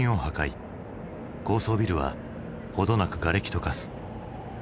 高層ビルは程なくがれきと化す。